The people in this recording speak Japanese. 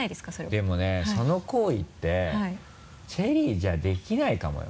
でもねその行為ってチェリーじゃできないかもよ